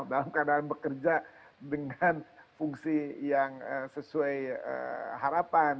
dalam keadaan bekerja dengan fungsi yang sesuai harapan